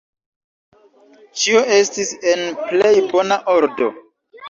Ĉio estis en plej bona ordo.